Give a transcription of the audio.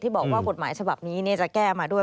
บอกว่ากฎหมายฉบับนี้จะแก้มาด้วย